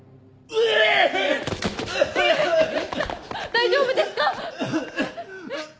大丈夫ですか！？